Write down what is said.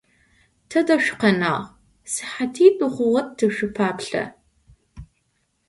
Тэдэ шъукъэнагъ? СыхьатитӀу хъугъэ тышъупаплъэ.